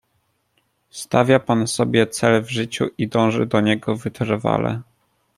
"Stawia pan sobie cel w życiu i dąży do niego wytrwale."